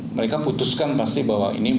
mereka putuskan pasti bahwa ini